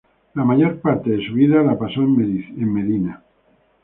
La mayor parte de su vida la pasó en Medina.